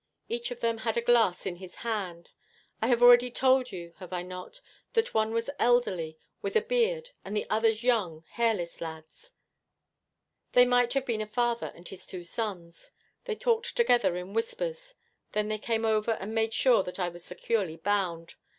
Each of them had a glass in his hand. I have already told you, have I not, that one was elderly, with a beard, and the others young, hairless lads. They might have been a father and his two sons. They talked together in whispers. Then they came over and made sure that I was securely bound.